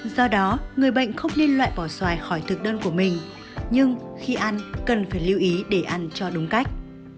do đó người bệnh không nên loại bỏ xoài khỏi thực đơn của mình nhưng khi ăn cần phải lưu ý để ăn cho đúng cách